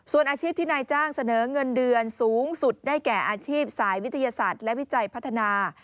ส่วนอาชีพที่นายจ้างเสนอเงินเดือนสูงสุดได้แก่อาชีพสายวิทยาศาสตร์และวิจัยพัฒนา